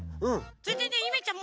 それでねゆめちゃん